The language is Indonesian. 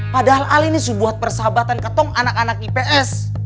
padahal al ini sudah buat persahabatan ketong anak anak ips